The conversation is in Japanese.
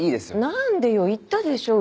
何でよ言ったでしょ。